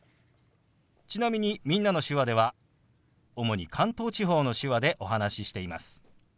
ちなみに「みんなの手話」では主に関東地方の手話でお話ししています。